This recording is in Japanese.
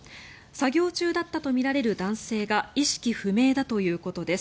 作業中だったとみられる男性が意識不明だということです。